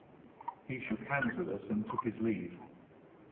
He shook hands with us and took his leave.